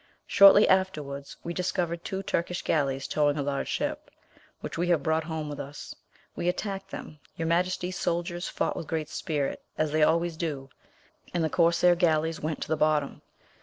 Shortly afterwards we discovered two Turkish galleys towing a large ship, which we have brought home with us. We attacked them; your Majesty's soldiers fought with great spirit, as they always do, and the corsair galleys went to the bottom.